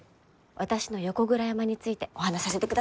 私の横倉山についてお話しさせてください！